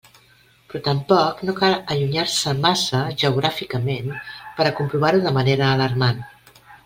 Però tampoc no cal allunyar-se massa geogràficament per a comprovar-ho de manera alarmant.